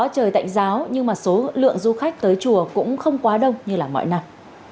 trời tạnh giáo nhưng mà số lượng du khách tới chùa cũng không quá đông như là mọi năm